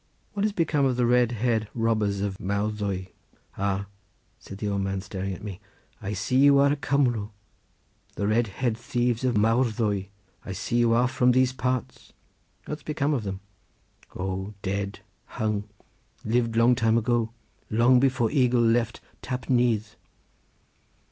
"What is become of the red haired robbers of Mawddwy?" "Ah," said the old man, staring at me, "I see you are a Cumro. The red haired thieves of Mawddwy! I see you are from these parts." "What's become of them?" "Oh, dead, hung. Lived long time ago; long before eagle left Tap Nyth."